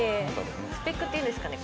スペックっていうんですかね